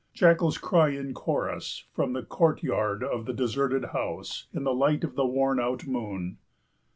"Jackals cry in chorus from the courtyard of the deserted house in the light of the worn out moon.